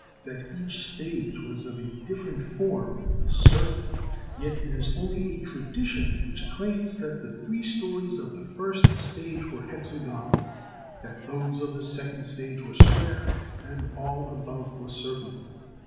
That each stage was of a different form is certain, yet it is only a tradition which claims that the three stories of the first stage were hexagonal, that those of the second stage were square, and all above were circular.